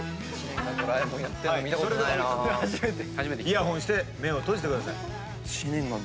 イヤホンして目を閉じてください。